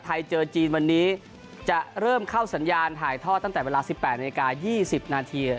เจอจีนวันนี้จะเริ่มเข้าสัญญาณถ่ายทอดตั้งแต่เวลา๑๘นาที๒๐นาที